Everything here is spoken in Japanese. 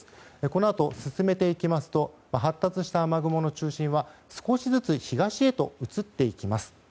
このあと、進めていきますと発達した雨雲の中心は少しずつ東へと移っていきます。